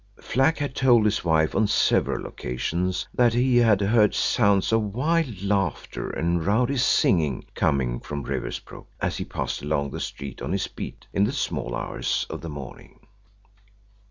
Flack had told his wife on several occasions that he had heard sounds of wild laughter and rowdy singing coming from Riversbrook as he passed along the street on his beat in the small hours of the morning.